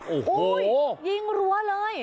โอ้โหยิงรั้วเลย